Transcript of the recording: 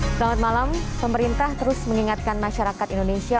selamat malam pemerintah terus mengingatkan masyarakat indonesia